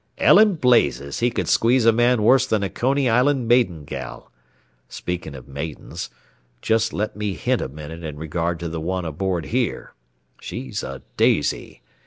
'Ell an' blazes, he could squeeze a man worse than a Coney Island maiden gal. Speakin' of maidens, jest let me hint a minute in regard to the one aboard here. She's a daisy.